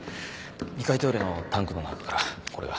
２階トイレのタンクの中からこれが。